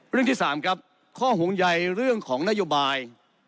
เรื่องที่๓ครับข้อห่วงใยเรื่องของนโยบาย